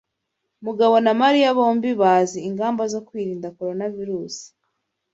Mugabo na Mariya bombi bazi ingamba zo kwirinda Coronavirusi.